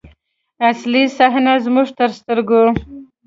اصلي صحنه زموږ تر سترګو.